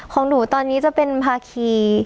ของหนูตอนนี้จะเป็นภาคี